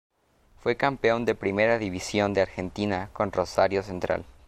Fue campeón de Primera División de Argentina con Rosario Central.